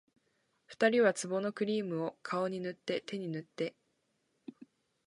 二人は壺のクリームを、顔に塗って手に塗って